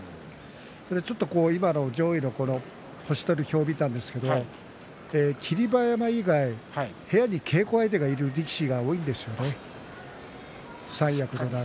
ちょっと今の上位の方星取り表を見たんですけれど霧馬山以外部屋に稽古相手がいる力士が多いんですね。